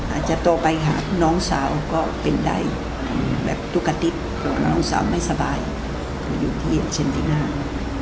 อาจจะโทรไปหาน้องสาวก็เป็นใดแบบตุ๊กน้องสาวไม่สบายอยู่ที่เชนติน่า